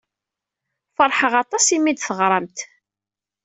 Feṛḥeɣ aṭas imi ay d-teɣramt.